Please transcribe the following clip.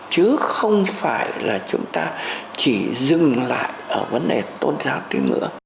chứ không phải là chúng ta chỉ dừng lại ở vấn đề